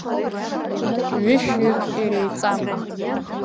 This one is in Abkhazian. Ҩышәҩык иреиҵам!